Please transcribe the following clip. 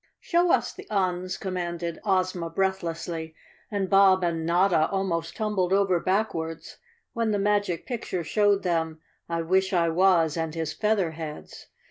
"Show us the Uns," commanded Ozma breathlessly, and Bob and Notta almost tumbled over backwards when the Magic Picture showed them I wish I was and his Featherheads.